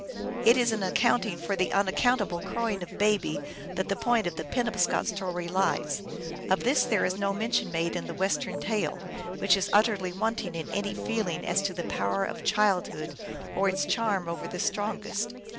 It is in accounting for the unaccountable crowing of Baby that the point of the Penob scot story lies. Of this there is no mention made in the Western tale, which is utterly wanting in any feeling as to the power of childhood or its charm over the strongest.